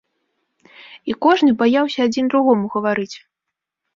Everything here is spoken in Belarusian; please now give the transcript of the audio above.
І кожны баяўся адзін другому гаварыць.